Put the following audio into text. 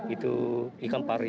itu ikan pari